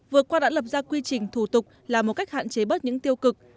vừa qua đã lập ra quy trình thủ tục là một cách hạn chế bớt những tiêu cực